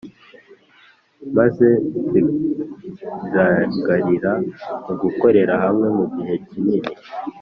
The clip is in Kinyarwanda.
Maze zigaragarira mu gukorera hamwe mu gihe kinini.